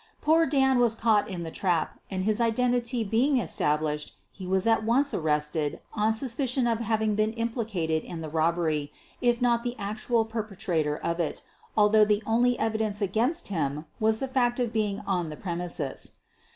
Poor Dan was caught in the trap and his identity being established he was at once arrested on suspicion of having been implicated in the robbery, if not the actual perpetrator of it, although the only evidence against him was the fact of being on the premises.